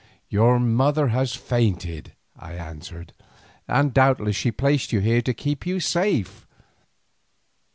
"Your mother has fainted," I answered, "and doubtless she placed you here to keep you safe.